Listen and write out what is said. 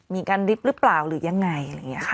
มีการริบหรือเปล่าหรือยังไงอะไรอย่างนี้ค่ะ